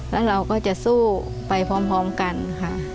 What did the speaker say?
แล้วเราก็จะสู้ไปพร้อมกันค่ะ